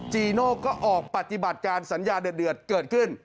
จีโน่ก็ออกปฏิบัติการสัญญาเดือดเกิดขึ้น